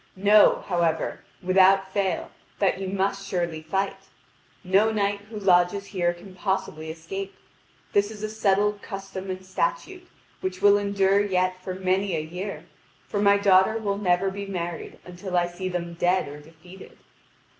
Know, however, without fail that you must surely fight. No knight who lodges here can possibly escape. This is a settled custom and statute, which will endure yet for many a year, for my daughter will never be married until I see them dead or defeated."